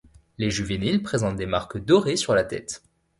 Les juvéniles présentent des marques dorées sur la tête.